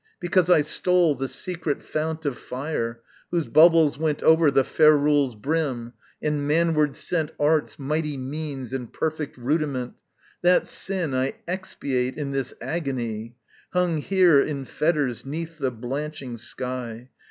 Because I stole The secret fount of fire, whose bubbles went Over the ferule's brim, and manward sent Art's mighty means and perfect rudiment, That sin I expiate in this agony, Hung here in fetters, 'neath the blanching sky.